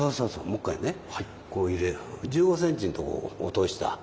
もう１回ねこう入れ１５センチのところ落とした。